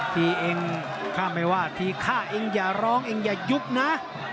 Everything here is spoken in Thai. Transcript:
ทีเองฆ่าไม่ว่าทีฆ่าเองอย่าร้องเองอย่ายุบนะ